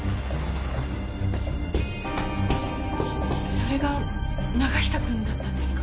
それが永久くんだったんですか？